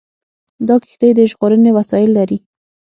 دا کښتۍ د ژغورنې وسایل لري.